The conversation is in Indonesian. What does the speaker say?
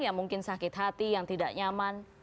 yang mungkin sakit hati yang tidak nyaman